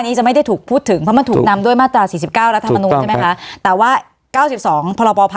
อันที่จะไม่ได้ถูกพูดถึงว่าไม่ถูกนำด้วยมาตรา๔๙ไม่นะแต่ว่า๙๒พภ